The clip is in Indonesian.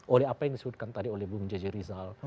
oleh apa yang disebutkan tadi oleh bu mujadjir rizal